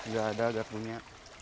gak ada gak punya